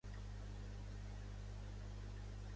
Es va educar en l'escola Loreto a Kenya.